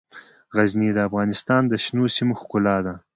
غزني د افغانستان د شنو سیمو ښکلا ده.